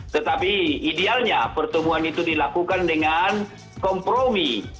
tetapi idealnya pertemuan itu dilakukan dengan kompromi